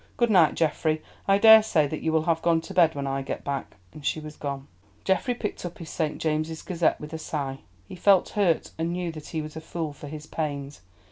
Good night, Geoffrey; I daresay that you will have gone to bed when I get back," and she was gone. Geoffrey picked up his St. James's Gazette with a sigh. He felt hurt, and knew that he was a fool for his pains.